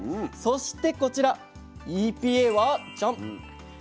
そしてこちらＥＰＡはジャン。